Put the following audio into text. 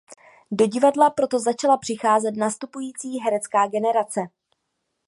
Do divadla proto začala přicházet nastupující herecká generace.